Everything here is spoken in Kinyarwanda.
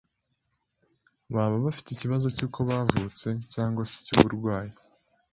baba bafite ikibazo cy’uko bavutse cyangwa se icy’uburwayi,